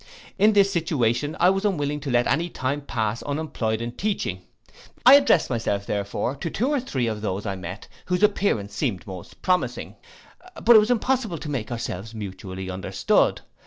In this situation I was unwilling to let any time pass unemployed in teaching. I addressed myself therefore to two or three of those I met whose appearance seemed most promising; but it was impossible to make ourselves mutually understood.